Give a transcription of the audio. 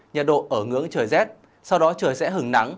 nhiệt độ ở ngưỡng trời rét sau đó trời sẽ hứng nắng